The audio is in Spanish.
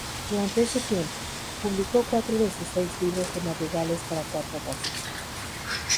Durante ese tiempo, publicó cuatro de sus seis libros de madrigales para cuatro voces.